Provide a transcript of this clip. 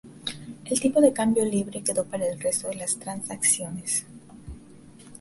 El tipo de cambio libre quedó para el resto de las transacciones.